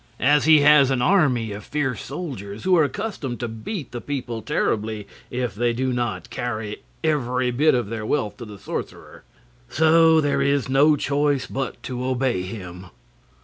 And he has an army of fierce soldiers, who are accustomed to beat the people terribly if they do not carry every bit of their wealth to the sorcerer. So there is no choice but to obey him."